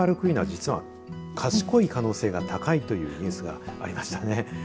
実は賢い可能性が高いというニュースがありましたね。